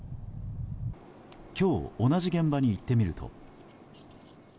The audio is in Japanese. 今日同じ現場に行ってみると。